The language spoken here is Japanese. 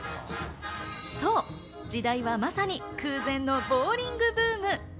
時代はまさに空前のボウリングブーム。